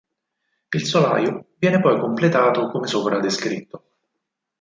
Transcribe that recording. Il solaio viene poi completato come sopra descritto.